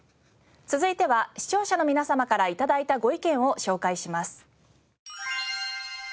続いては視聴者の皆様から頂いたご意見を紹介します。